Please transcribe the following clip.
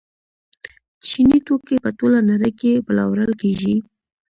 چیني توکي په ټوله نړۍ کې پلورل کیږي.